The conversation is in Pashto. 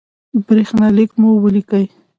برېښنالک مو ولیکئ